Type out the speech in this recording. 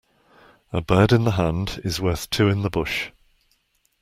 A bird in the hand is worth two in the bush.